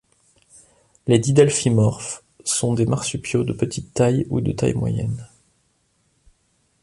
Les didelphimorphes sont des marsupiaux de petite taille ou de taille moyenne.